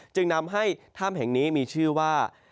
จึงนำให้ถ้ำแห่งนี้มีชื่อว่า